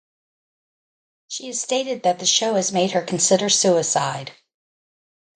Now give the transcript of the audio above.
She has stated that the show has made her consider suicide.